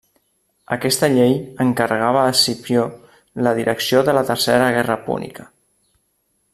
Aquesta llei encarregava a Escipió la direcció de la tercera guerra púnica.